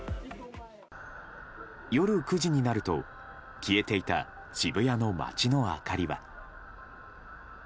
夜９時になると消えていた渋谷の街の明かりは。